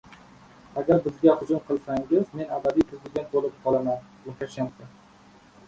"Agar bizga hujum qilsangiz, men abadiy prezident bo‘lib qolaman" — Lukashenko